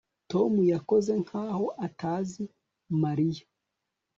Tom yakoze nkaho atazi Mariya